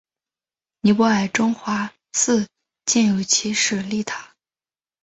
尼泊尔中华寺建有其舍利塔。